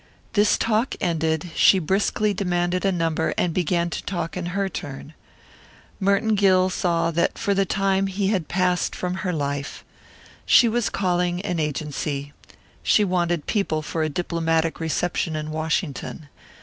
This talk ended, she briskly demanded a number and began to talk in her turn. Merton Gill saw that for the time he had passed from her life. She was calling an agency. She wanted people for a diplomatic reception in Washington.